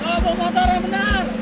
hei kau bawa motornya benar